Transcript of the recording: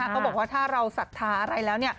เขาบอกว่าถ้าเราศรัทธาอะไรแล้ว